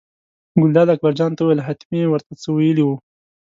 ګلداد اکبرجان ته وویل حتمي یې ور ته څه ویلي وو.